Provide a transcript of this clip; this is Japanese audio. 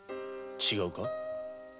違うか？